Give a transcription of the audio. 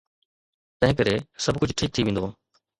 تنهنڪري سڀ ڪجهه ٺيڪ ٿي ويندو.